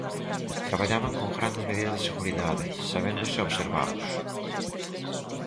Traballaban con grandes medidas de seguridade, sabéndose observados.